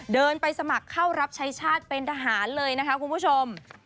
เดินไปสมัครเข้ารับใช้ชาติเป็นทหารเลยนะคะคุณผู้ชม